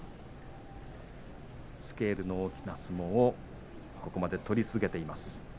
スケールの大きな相撲をここまで取り続けています